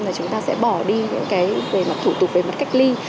là chúng ta sẽ bỏ đi những cái về mặt thủ tục về mặt cách ly